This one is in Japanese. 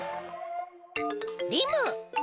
リム。